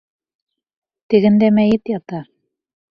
Тегендә мәйет ята!